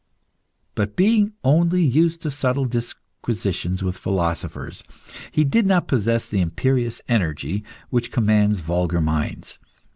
But, being only used to subtle disquisitions with philosophers, he did not possess that imperious energy which commands vulgar minds.